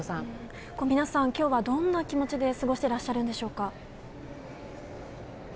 皆さん、今日はどんな気持ちで過ごしてらっしゃるんでしょうか。